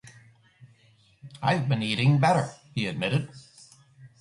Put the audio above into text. "I've been eating better," he admitted.